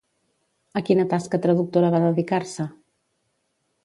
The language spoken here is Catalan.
A quina tasca traductora va dedicar-se?